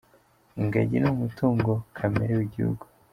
Ingagi ni umutungo kamere w'igihugu.